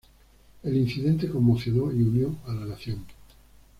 El incidente conmocionó y unió a la nación.